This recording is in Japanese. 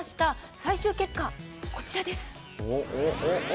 最終結果、こちらです。